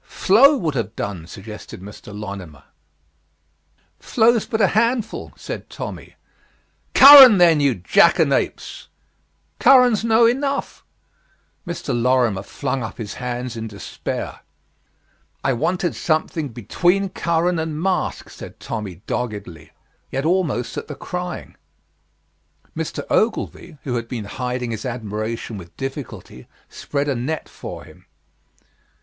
"Flow would have done," suggested Mr. Lonimer. "Flow's but a handful," said Tommy. "Curran, then, you jackanapes!" "Curran's no enough." Mr. Lorrimer flung up his hands in despair. "I wanted something between curran and mask," said Tommy, doggedly, yet almost at the crying. Mr. Ogilvy, who had been hiding his admiration with difficulty, spread a net for him.